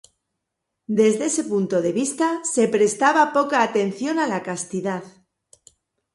Desde ese punto de vista se prestaba poca atención a la castidad.